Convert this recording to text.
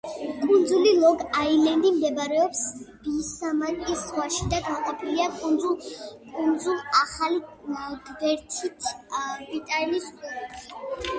კუნძული ლონგ-აილენდი მდებარეობს ბისმარკის ზღვაში და გამოყოფილია კუნძულ ახალი გვინეიდან ვიტიაზის ყურით.